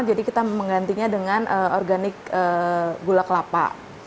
jadi kita menggantinya dengan organik gula kelapa